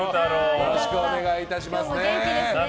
よろしくお願いします。